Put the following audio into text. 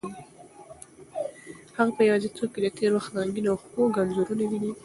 هغه په یوازیتوب کې د تېر وخت رنګین او خوږ انځورونه ویني.